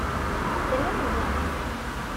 Tlemdem.